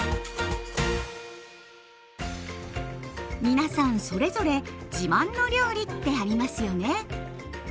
皆さんそれぞれ自慢の料理ってありますよね？